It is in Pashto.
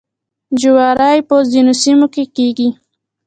جواری په ځینو سیمو کې کیږي.